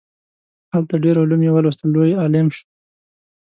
هلته ډیر علوم یې ولوستل لوی عالم شو.